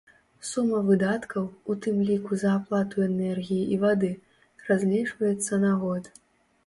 Сума выдаткаў, у тым ліку за аплату энергіі і вады, разлічваецца на год.